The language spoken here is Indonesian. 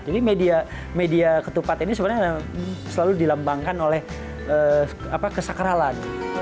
jadi media ketupat ini sebenarnya selalu dilambangkan oleh kesakralan